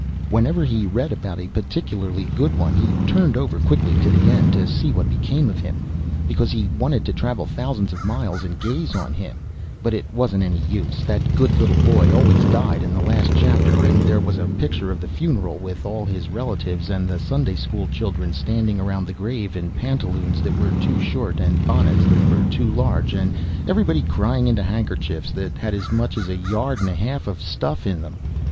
Whenever he read about a particularly good one he turned over quickly to the end to see what became of him, because he wanted to travel thousands of miles and gaze on him; but it wasn't any use; that good little boy always died in the last chapter, and there was a picture of the funeral, with all his relations and the Sunday school children standing around the grave in pantaloons that were too short, and bonnets that were too large, and everybody crying into handkerchiefs that had as much as a yard and a half of stuff in them.